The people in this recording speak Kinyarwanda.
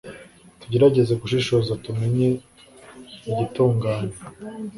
tugerageze gushishoza tumenye igitunganye